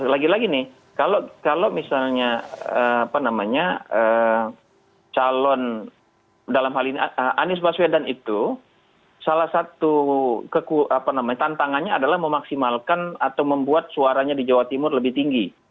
lagi lagi nih kalau misalnya calon dalam hal ini anies baswedan itu salah satu tantangannya adalah memaksimalkan atau membuat suaranya di jawa timur lebih tinggi